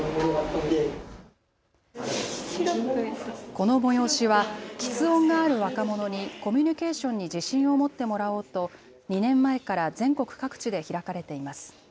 この催しはきつ音がある若者にコミュニケーションに自信を持ってもらおうと２年前から全国各地で開かれています。